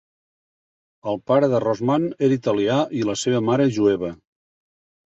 El pare de Rossman era italià i la seva mare jueva.